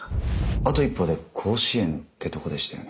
あと一歩で甲子園ってとこでしたよね？